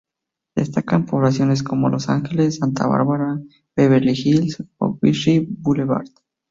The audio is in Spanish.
Destacan poblaciones como Los Angeles, Santa Barbara, Beverly Hills o Wilshire Boulevard.